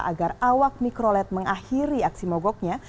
agar awak mikrolet mengakhiri aksi mogoknya